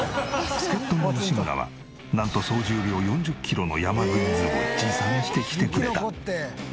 助っ人の西村はなんと総重量４０キロの山グッズを持参してきてくれた。